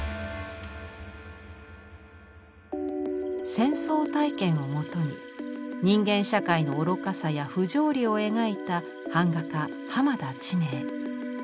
戦争体験をもとに人間社会の愚かさや不条理を描いた版画家浜田知明。